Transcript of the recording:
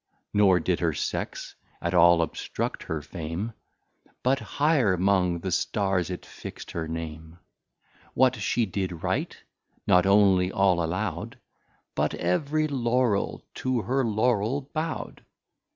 Nor did her Sex at all obstruct her Fame, But higher 'mong the Stars it fixt her Name; What she did write, not only all allow'd, But ev'ry Laurel, to her Laurel, bow'd!